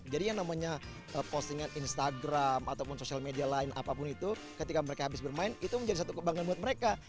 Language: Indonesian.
jadi yang namanya postingan instagram ataupun social media lain apapun itu ketika mereka habis bermain itu menjadi satu kebanggaan buat mereka